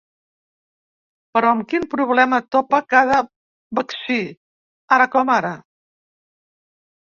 Però amb quin problema topa cada vaccí, ara com ara?